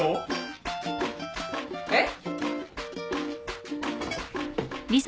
えっ？